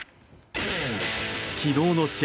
昨日の試合